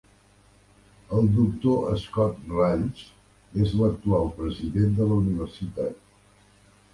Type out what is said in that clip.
El doctor Scott Ralls és l'actual president de la universitat.